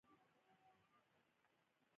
زه بازار ته ځم که ته راسې